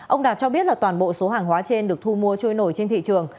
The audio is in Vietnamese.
ông đạt cho biết là toàn bộ số hàng hóa trên được thu mua trôi nổi trên thị trường